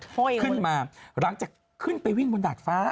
ขึ้นมาหลังจากขึ้นไปวิ่งบนดาดฟ้า